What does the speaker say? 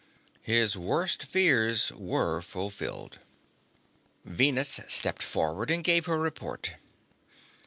His worst fears were fulfilled. Venus stepped forward and gave her report.